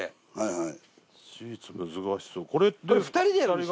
はい。